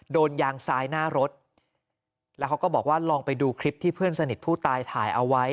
โดนยางซ้ายหน้ารถแล้วเขาก็บอกว่าลองไปดูคลิปที่เพื่อนสนิทผู้ตายถ่ายเอาไว้